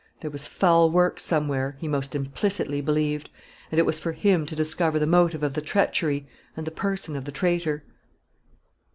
There was foul work somewhere, he most implicitly believed; and it was for him to discover the motive of the treachery, and the person of the traitor.